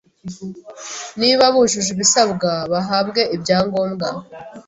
niba bujuje ibisabwa bahabwe ibya ngombwa